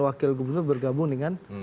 wakil gubernur bergabung dengan